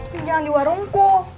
tinggal di warungku